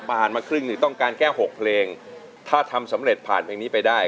มาครึ่งหนึ่งต้องการแค่๖เพลงถ้าทำสำเร็จผ่านเพลงนี้ไปได้